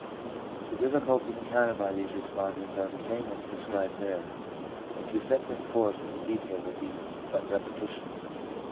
The difficulties encountered by these respondents are the same ones described there, and to set them forth in detail would be but repetition.